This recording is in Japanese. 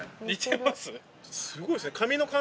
すごいですね。